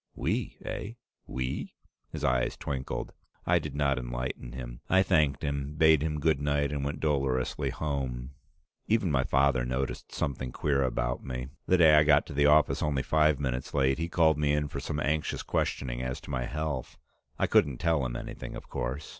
"We, eh? We?" His eyes twinkled. I did not enlighten him. I thanked him, bade him good night, and went dolorously home. Even my father noticed something queer about me. The day I got to the office only five minutes late, he called me in for some anxious questioning as to my health. I couldn't tell him anything, of course.